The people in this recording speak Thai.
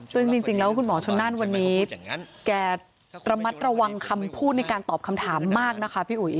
ซึ่งจริงแล้วคุณหมอชนนั่นวันนี้แกระมัดระวังคำพูดในการตอบคำถามมากนะคะพี่อุ๋ย